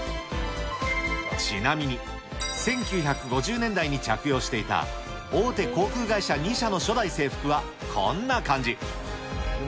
ちなみに、１９５０年代に着用していた、大手航空会社２社の初代制服はこんな感じ。